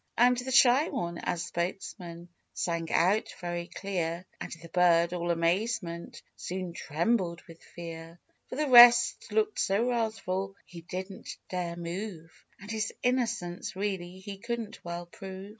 And the Shy One as spokesman, sang out very clear, And the bird, all amazement, soon trembled with fear; For the rest looked so wrathful, he didn't dare move, And his innocence, really, he couldn't well prove.